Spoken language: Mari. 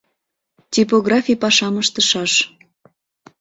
Типографий пашам ыштышаш.